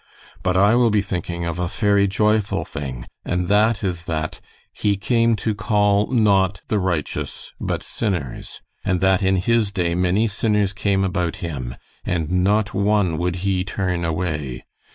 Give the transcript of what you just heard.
But I will be thinking of a fery joyful thing, and that is that 'He came to call, not the righteous, but sinners,' and that in His day many sinners came about Him and not one would He turn away.